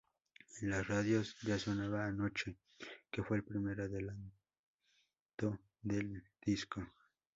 En las radios ya sonaba "Anoche", que fue el primer adelanto del disco.